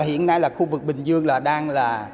hiện nay là khu vực bình dương là đang là